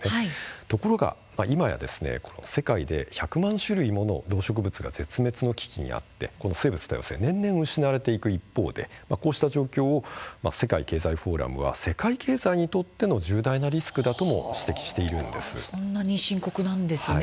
ところが今や世界で１００万種類もの動植物が絶滅の危機にあって生物多様性は年々失われていく一方でこうした状況を世界経済フォーラムは世界経済にとっての重大なリスクだともそんなに深刻なんですね。